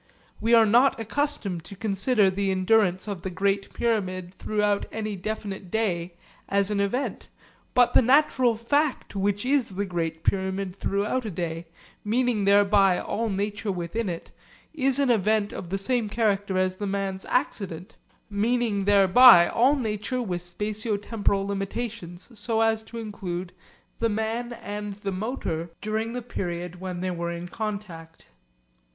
We are not accustomed to consider the endurance of the Great Pyramid throughout any definite day as an event. But the natural fact which is the Great Pyramid throughout a day, meaning thereby all nature within it, is an event of the same character as the man's accident, meaning thereby all nature with spatio temporal limitations so as to include the man and the motor during the period when they were in contact.